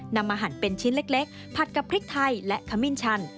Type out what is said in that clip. นำมาหั่นเป็นชิ้นเล็กผัดกับพริกไทยและขมิ้นชัน